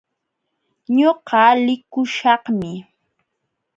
Ñuqa likuśhaqmi.